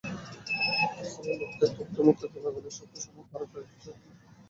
স্থানীয় লোকজনের তথ্যমতে, গোলাগুলির শব্দ শুনে তাঁরা কয়েকজন মসজিদের দিকে দৌড়ে গিয়েছিলেন।